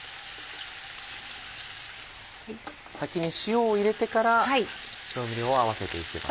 先に塩を入れてから調味料を合わせて行ってます。